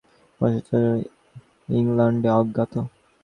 তা ছাড়া মার্কিন নারীর স্বভাবসুলভ পরচর্চা ইংলণ্ডে অজ্ঞাত।